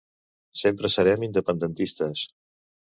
Sempre serem independentistes.